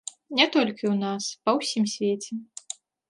Не толькі ў нас, па ўсім свеце.